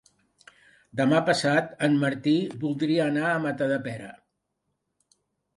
Demà passat en Martí voldria anar a Matadepera.